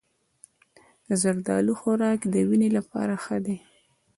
د زردالو خوراک د وینې لپاره ښه دی.